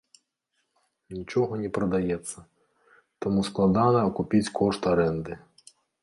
Нічога не прадаецца, таму складана акупіць кошт арэнды.